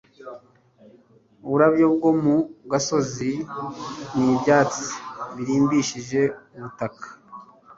Uburabyo bwo mu gasozi n'ibyatsi birimbishije ubutaka,